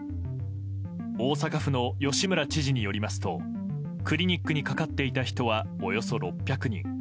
大阪府の吉村知事によりますとクリニックにかかっていた人はおよそ６００人。